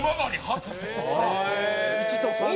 １と３と。